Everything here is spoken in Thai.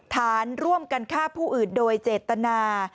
ฐานร่วมกันฆ่าผู้อื่นโดยเจตนา